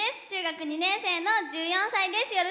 中学２年生の１４歳です